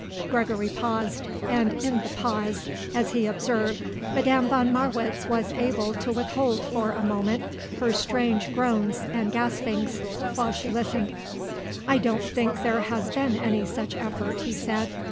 Gregory paused, and in the pause, as he observed, Madame von Marwitz was able to withhold for a moment her strange groans and gaspings while she listened. "I don't think there has been any such effort," he said.